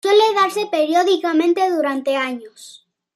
Suele darse periódicamente durante años.